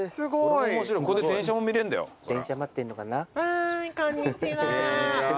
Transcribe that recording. わいこんにちは。